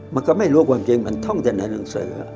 มันก็ไม่รู้ความจริงมันท่องแต่ในหนังสือ